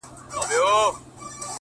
مه کوه گمان د ليوني گلي ،